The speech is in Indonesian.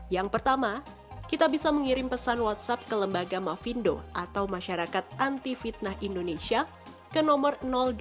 yang pertama kita bisa mengirim pesan whatsapp ke lembaga mavindo atau masyarakat anti fitnah indonesia ke nomor delapan ratus lima puluh sembilan dua ribu satu ratus enam puluh lima ratus